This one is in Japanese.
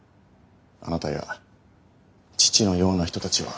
あなたや父のような人たちは。